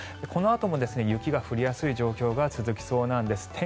このあとも雪が降りやすい状況が続きそうなんです。